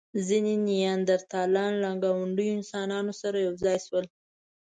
ځینې نیاندرتالان له ګاونډيو انسانانو سره یو ځای شول.